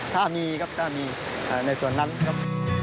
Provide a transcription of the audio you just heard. ถ้ามีครับถ้ามีในส่วนนั้นครับ